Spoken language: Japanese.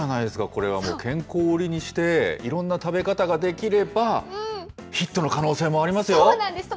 これはもう健康を売りにして、いろんな食べ方ができれば、ヒットの可能性もありますよ。